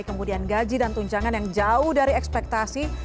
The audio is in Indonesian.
kemudian gaji dan tunjangan yang jauh dari ekspektasi